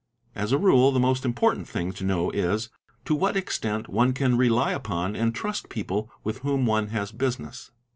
Asa rule the 'most important thing to know is, to what extent one can rely upon and trust people with whom one has business.